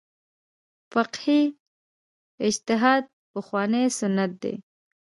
فقهي اجتهاد پخوانی سنت دی.